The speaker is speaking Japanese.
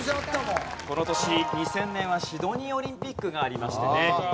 この年２０００年はシドニーオリンピックがありましたね。